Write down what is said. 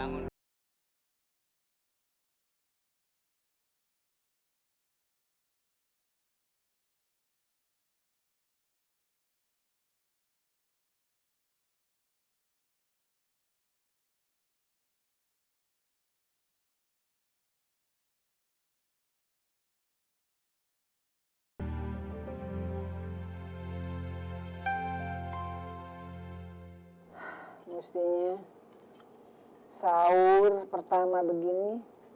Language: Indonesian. kalau lagi sirok lagi sakit begini